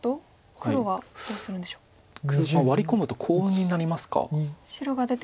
黒がワリ込むとコウになりますか。